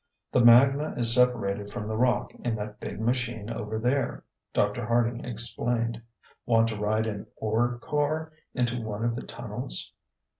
"The magna is separated from the rock in that big machine over there," Dr. Harding explained. "Want to ride an ore car into one of the tunnels?"